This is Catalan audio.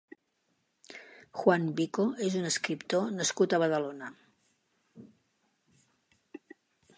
Juan Vico és un escriptor nascut a Badalona.